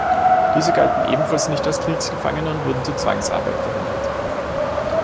Diese galten ebenfalls nicht als Kriegsgefangene und wurden zur Zwangsarbeit verwendet.